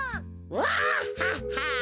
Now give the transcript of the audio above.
ワッハッハ。